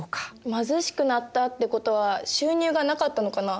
貧しくなったってことは収入がなかったのかな？